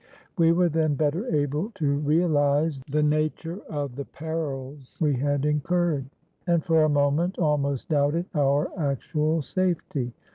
We were then better able to realize the nature of the perils we had incurred, and for a moment almost doubted our actual safety.